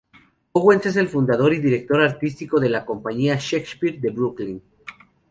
Owens es el fundador y director artístico de La Compañía Shakespeare de Brooklyn.